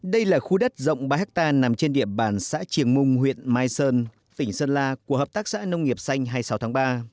đây là khu đất rộng ba hectare nằm trên địa bàn xã triềng mung huyện mai sơn tỉnh sơn la của hợp tác xã nông nghiệp xanh hai mươi sáu tháng ba